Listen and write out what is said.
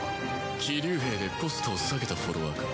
騎竜兵でコストを下げたフォロワーか。